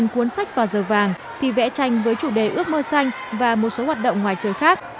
cuốn sách vào giờ vàng thì vẽ tranh với chủ đề ước mơ xanh và một số hoạt động ngoài chơi khác